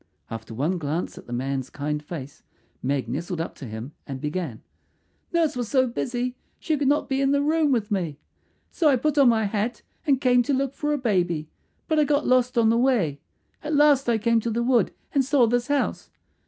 After one glance at the man's kind face Meg nestled up to him and began, "Nurse was so busy she could not be in the room with me. "So I put on my hat and came to look for a baby; but I got lost on the way. At last I came to the wood and saw this house.